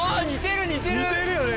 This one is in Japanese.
似てるよね